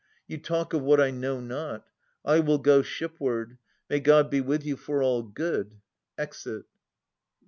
You talk of what I know not. I will go Shipward. May God be with you for all good. \Exit.